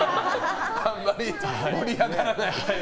あんまり盛り上がらないし。